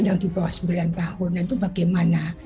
yang di bawah sembilan tahun itu bagaimana